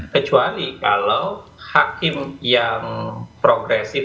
kecuali kalau hakim yang progresif